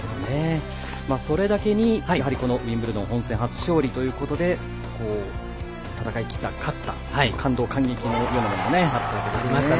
それだけにウィンブルドン本戦初勝利ということで戦いきった、勝った感動感激の場面もありました。